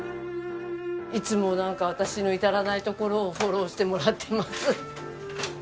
いつも私の至らないところをフォローしてもらっています。